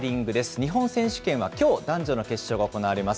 日本選手権はきょう、男女の決勝が行われます。